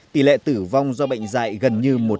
tỷ lệ tử vong do bệnh dạy gần như một trăm linh